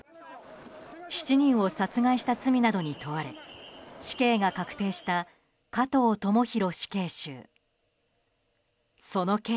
７人を殺害した罪などに問われ死刑が確定した加藤智大死刑囚。